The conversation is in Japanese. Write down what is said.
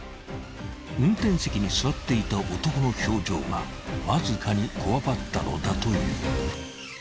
［運転席に座っていた男の表情がわずかにこわばったのだという］